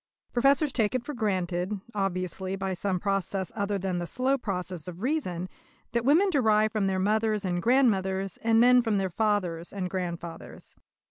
Professors take it for granted, obviously by some process other than the slow process of reason, that women derive from their mothers and grandmothers, and men from their fathers and grandfathers.